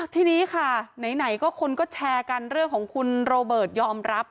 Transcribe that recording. ทีนี้ค่ะไหนก็คนก็แชร์กันเรื่องของคุณโรเบิร์ตยอมรับ